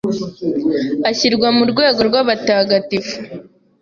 ashyirwa mu rwego rw’abatagatifu,